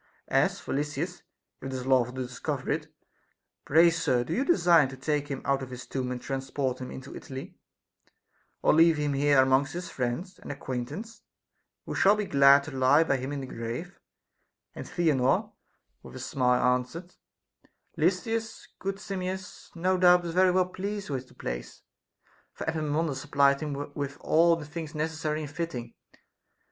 As for Lysis (if it is lawful to discover it), pray, sir, do you design to take him out of his tomb and transport him into Italy, or leave him here amongst his friends and acquaintance, who shall be glad to lie by him in the grave \ And Theanor with a smile answered : Lysis, good Simmias, no doubt is very well pleased with the place, for Epaminondas supplied him with all things necessary and fitting.